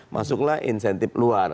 masuklah insentif luar